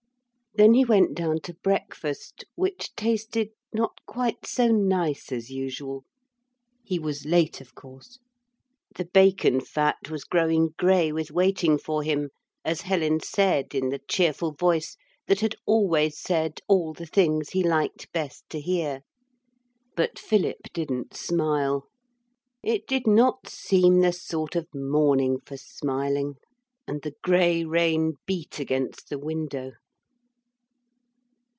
Then he went down to breakfast, which tasted not quite so nice as usual. He was late, of course. The bacon fat was growing grey with waiting for him, as Helen said, in the cheerful voice that had always said all the things he liked best to hear. But Philip didn't smile. It did not seem the sort of morning for smiling, and the grey rain beat against the window.